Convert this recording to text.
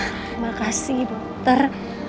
terima kasih dokter